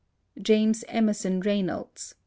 James Emerson Reynolds (b.